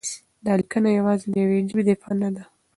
دا لیکنه یوازې د یوې ژبې دفاع نه ده؛